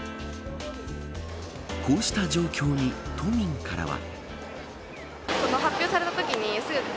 こうした状況に都民からは。